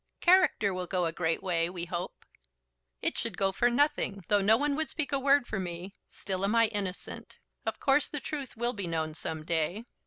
"Character will go a great way, we hope." "It should go for nothing. Though no one would speak a word for me, still am I innocent. Of course the truth will be known some day."